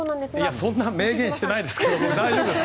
そんな明言していませんが大丈夫ですか？